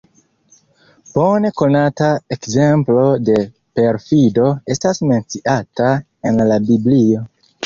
Bone konata ekzemplo de perfido estas menciata en la biblio.